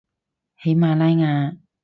喜马拉雅